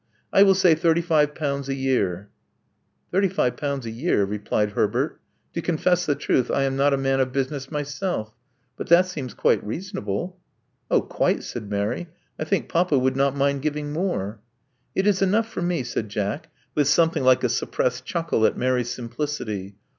I will say thirty five pounds a year." Thirty five pounds a year* ' repeated Herbert. To confess the truth, I am not a man of busiiness myself; but that seems quite reasonable. " (*Oh, quite," said Mary. I think papa would not mind giving more. '' It is enough for me," said Jack, with something like a suppressed chuckle at Mary's simplicity.